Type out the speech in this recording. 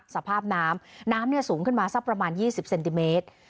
สภาพน้ำน้ำเนี่ยสูงขึ้นมาสักประมาณยี่สิบเซนติเมตร